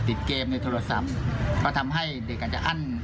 ติดเกมในโทรศัพท์ก็ทำให้เด็กอาจจะอั้น